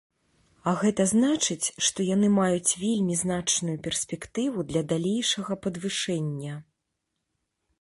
А гэта значыць, што яны маюць вельмі значную перспектыву для далейшага падвышэння.